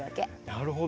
なるほど。